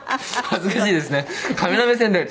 恥ずかしいですね